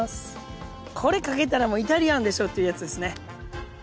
これかけたらもうイタリアンでしょっていうやつですね。